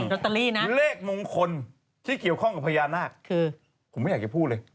อืมเลขมงคลที่เกี่ยวข้องกับพญานาคผมไม่อยากจะพูดเลย